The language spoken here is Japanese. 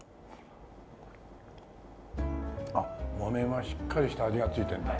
あっ木綿はしっかりした味が付いてるんだ。